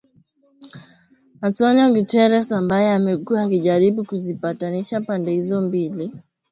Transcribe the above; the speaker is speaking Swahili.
Antonio Guterres, ambaye amekuwa akijaribu kuzipatanisha pande hizo mbili